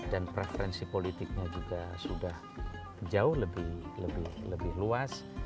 dan preferensi politiknya juga sudah jauh lebih luas